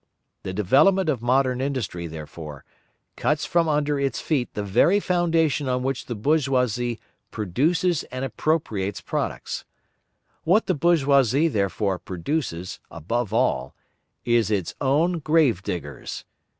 The development of Modern Industry, therefore, cuts from under its feet the very foundation on which the bourgeoisie produces and appropriates products. What the bourgeoisie, therefore, produces, above all, is its own grave diggers.